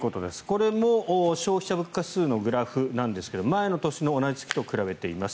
これも消費者物価指数のグラフなんですが前の年の同じ月と比べています。